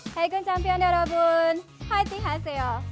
hei kejampihan darabun hwaiting haiseyo